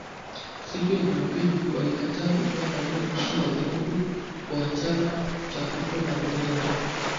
siku ya Jumapili walikataa kutoa maoni kuhusu marufuku kwa chama cha huko Marondera